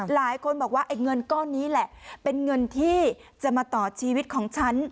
หลายคนบอกว่าไอ้เงินก้อนนี้แหละเป็นเงินที่จะมาต่อชีวิตของฉัน